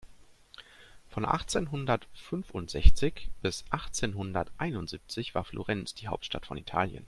Von achtzehnhundertfünfundsechzig bis achtzehnhunderteinundsiebzig war Florenz die Hauptstadt von Italien.